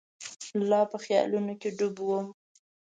لا په خیالونو کې ډوب وم.